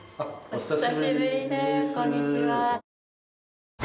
お久しぶりですこんにちは。